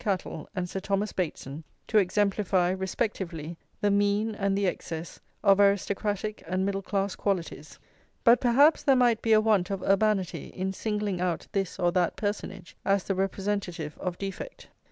Cattle and Sir Thomas Bateson, to exemplify, respectively, the mean and the excess of aristocratic and middle class qualities. But perhaps there might be a want of urbanity in singling out this or that personage as the representative of defect.